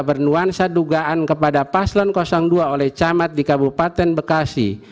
bernuansa dugaan kepada paslon dua oleh camat di kabupaten bekasi